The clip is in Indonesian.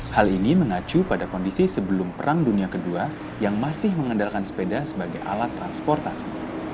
hal ini mengacu pada kondisi sebelum perang dunia ii yang masih mengendalkan sepeda sebagai alat transportasi